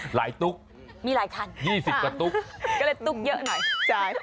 หลายตุ๊กมีลายคัน๒๐กระตุ๊กก็เลยตุ๊กเยอะหน่อย